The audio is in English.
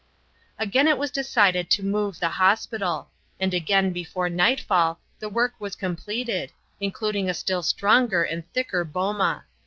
Again it was decided to move the hospital; and again, before nightfall, the work was completed, including a still stronger and thicker boma.